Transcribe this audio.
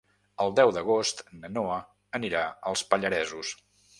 El deu d'agost na Noa anirà als Pallaresos.